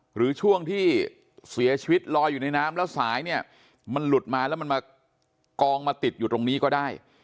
หรือช่วงที่เสียชีวิตลอยอยู่ในน้ำแล้วสายเนี่ยมันหลุดมาแล้วมันมากองมาติดอยู่ตรงนี้ก็ได้